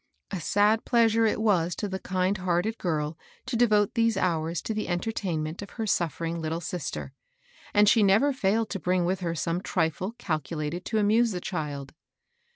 A sad pleasure it was to the Mabel's new employer. 103 kjnd hearted girl to devote these hours to the entertainment of her suffering little sister; and she never failed to bring with her some trifle calculated to amuse the child.